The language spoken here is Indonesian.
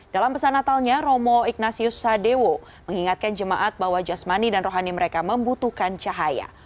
dalam pesan natalnya romo ignatius sadewo mengingatkan jemaat bahwa jasmani dan rohani mereka membutuhkan cahaya